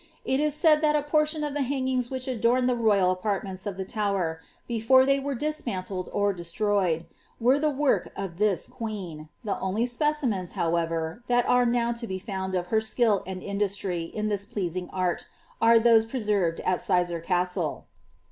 It is said lliat a portion of the hangings which ornamented the royal apartments of the Tower, btfore they were dismatuled or destroyed, were the work of this queen; the only specimens, however, that are DOW to be found of her skill and indus^y in this pleasing art, are those preserved at Sizergh Castle.